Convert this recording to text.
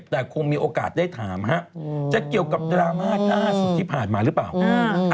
แต่คงมีโอกาสได้ถามฮะจะเกี่ยวกับดราม่าล่าสุดที่ผ่านมาหรือเปล่า